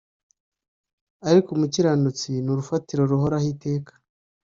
Ariko umukiranutsi ni urufatiro ruhoraho iteka